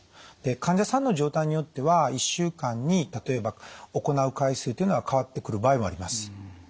で患者さんの状態によっては１週間に例えば行う回数というのは変わってくる場合もあります。